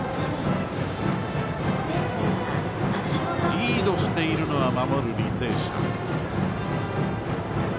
リードしているのは守る履正社。